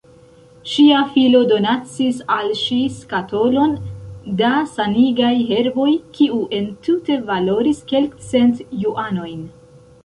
Ŝia filo donacis al ŝi skatolon da sanigaj herboj, kiu entute valoris kelkcent juanojn.